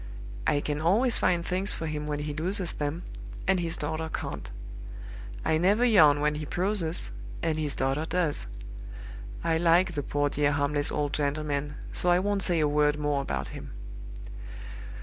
I can always find things for him when he loses them, and his daughter can't. I never yawn when he proses, and his daughter does. I like the poor dear harmless old gentleman, so I won't say a word more about him.